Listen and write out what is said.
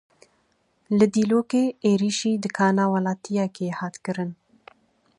Li Dîlokê êrişî dikana welatiyekê hat kirin.